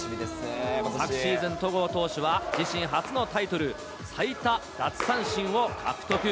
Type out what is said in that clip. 昨シーズン、戸郷投手は、自身初のタイトル、最多奪三振を獲得。